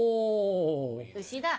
牛だ。